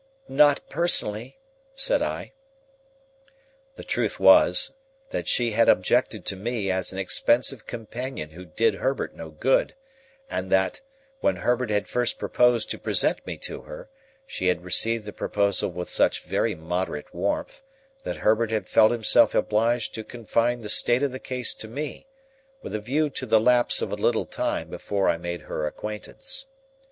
"Not personally," said I. The truth was, that she had objected to me as an expensive companion who did Herbert no good, and that, when Herbert had first proposed to present me to her, she had received the proposal with such very moderate warmth, that Herbert had felt himself obliged to confide the state of the case to me, with a view to the lapse of a little time before I made her acquaintance.